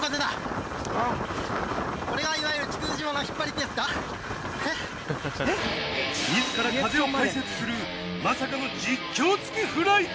まずは自ら風を解説するまさかの実況付きフライト！